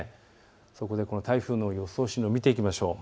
そこで台風の予想進路を見ていきましょう。